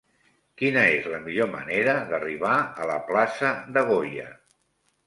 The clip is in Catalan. Quina és la millor manera d'arribar a la plaça de Goya?